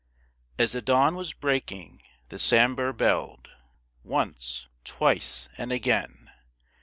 As the dawn was breaking the Sambhur belled Once, twice and again!